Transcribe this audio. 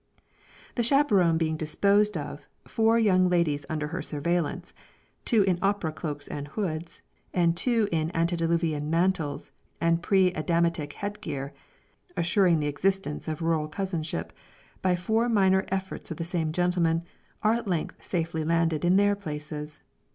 The chaperon being disposed of, four young ladies under her surveillance, two in opera cloaks and hoods, and two in antediluvian mantles and pre adamitic head gear, assuring the existence of rural cousinship, by four minor efforts of the same gentleman, are at length safely landed in their places.